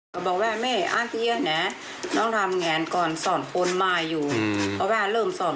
ถ้าเหลี่ยนี่มันต้องโทรแม่น้องเป็นดวงน้องสุด